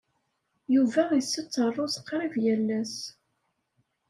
Yuba isett ṛṛuz qrib yal ass.